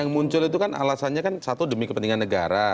yang muncul itu kan alasannya kan satu demi kepentingan negara